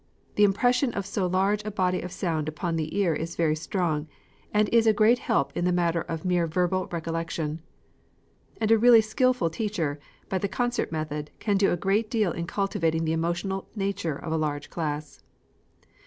The impression of so large a body of sound upon the ear is very strong, and is a great help in the matter of mere verbal recollection. Children too are very sympathetic, and a really skilful teacher, by the concert method, can do a great deal in cultivating the emotional nature of a large class.